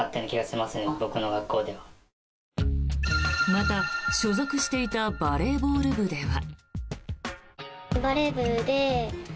また、所属していたバレーボール部では。